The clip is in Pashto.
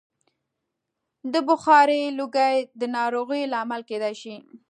د بخارۍ لوګی د ناروغیو لامل کېدای شي.